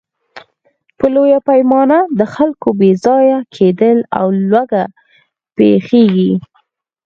په لویه پیمانه د خلکو بېځایه کېدل او لوږه پېښېږي.